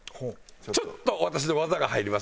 ちょっと私の技が入りますので。